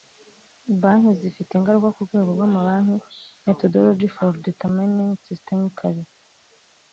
banki zifite ingaruka ku rwego rw amabanki methodology for determining systemically